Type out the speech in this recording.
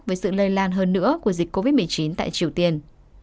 với sự lây lan hơn nữa của dịch covid một mươi chín tại triều tiên